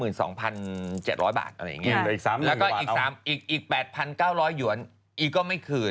เอาอย่างนี้นะครับแล้วก็อีก๘๙๐๐หยวนอีกก็ไม่คืน